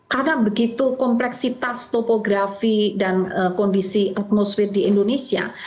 karena begitu kompleksitas topografi dan kondisi atmosfer di indonesia